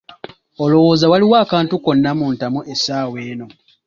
Olowooza waliwo akantu konna mu ntamu essaawa eno.